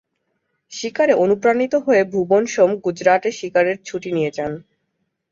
শিকারে অনুপ্রাণিত হয়ে ভুবন সোম গুজরাটে "শিকারের ছুটি" নিয়ে যান।